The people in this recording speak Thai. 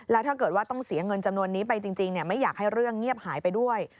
แล้วถ้าเกิดว่าต้องเสียเงินจำนวนนี้ไปจริงไม่อยากให้เรื่องเงียบหายไปด้วย